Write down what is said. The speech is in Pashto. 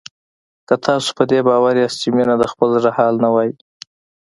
که تاسو په دې باور یاست چې مينه د خپل زړه حال نه وايي